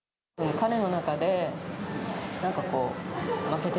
彼の中でなんかこう、負けて